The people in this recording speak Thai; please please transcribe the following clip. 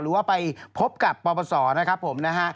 หรือว่าไปพบกับปศนะครับผม